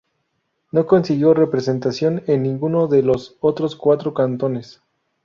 No consiguió representación en ninguno de los otros cuatro cantones.